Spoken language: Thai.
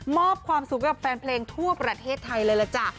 มอบความสุขกับแฟนเพลงทั่วประเทศไทยเลยล่ะจ้ะ